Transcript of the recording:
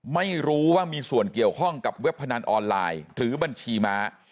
ไม่รู้ว่ามีส่วนเกี่ยวข้องกับเว็บพนันออนไลน์หรือบัญชีม้า